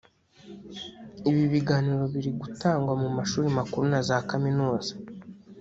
Ibi biganiro biri gutangwa mu mashuri makuru na za Kaminuza